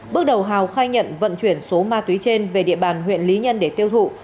bước đầu hào khai nhận vận chuyển số ma túy trên về địa bàn huyện lý nhân để tiêu thụ